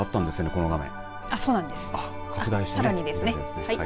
この画面。